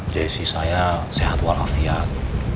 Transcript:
jessy saya sehat walafiat